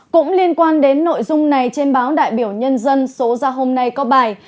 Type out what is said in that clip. cũng liên quan đến nội dung này trên báo đại biểu nhân dân số ra hôm nay có bài